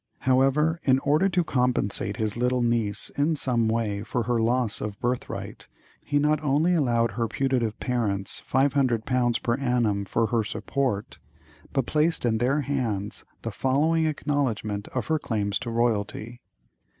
However, in order to compensate his little niece in some way for her loss of birthright, he not only allowed her putative parents five hundred pounds per annum for her support, but placed in their hands the following acknowledgment of her claims to royalty.